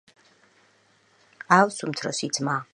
ჰყავს უმცროსი ძმა.